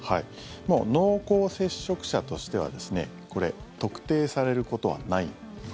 もう濃厚接触者としてはこれ、特定されることはない。